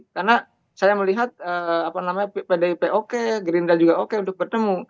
karena saya melihat pdip oke gerindra juga oke untuk bertemu